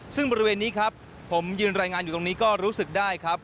ซึ่งบริเวณนี้ครับผมยืนรายงานอยู่ตรงนี้ก็รู้สึกได้ครับ